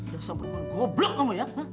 ya sampai orang goblok kamu ya